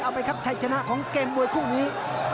เอาไว้ใช้ชนะของเกมมือคู่นี้